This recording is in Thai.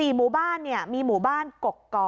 ๔หมู่บ้านมีหมู่บ้านกกก่อ